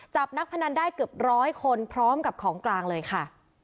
จับนักพนันได้เกือบร้อยคนพร้อมกับของกลางเลยค่ะ